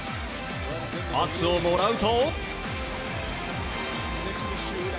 パスをもらうと。